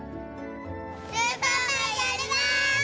スーパーマンやります。